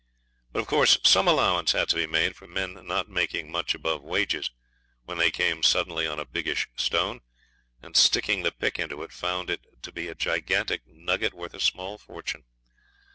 But of course some allowance had to be made for men not making much above wages when they came suddenly on a biggish stone, and sticking the pick into it found it to be a gigantic nugget worth a small fortune.